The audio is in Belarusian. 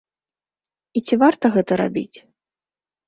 І ці варта гэта рабіць?